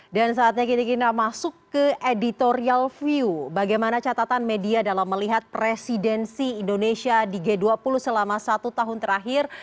dan saatnya kita masuk ke editorial view bagaimana catatan media dalam melihat presidensi indonesia di g dua puluh selama satu tahun terakhir